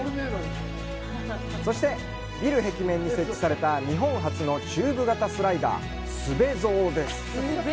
そして、ビル壁面に設置された日本初のチューブ型スライダーすべゾーです。